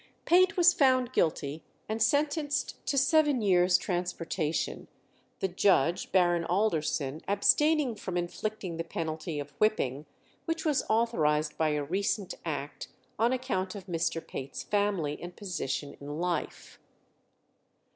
Pate was found guilty, and sentenced to seven years' transportation, the judge, Baron Alderson, abstaining from inflicting the penalty of whipping, which was authorized by a recent act, on account of Mr. Pate's family and position in life.